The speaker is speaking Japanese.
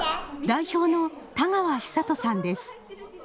代表の田川尚登さんです。